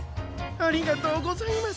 ありがとうございます。